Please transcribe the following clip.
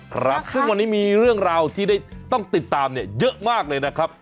ครับซึ่งวันนี้มีเรื่องราวที่ได้ต้องติดตามเนี่ยเยอะมากเลยนะครับ